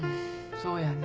そうやね。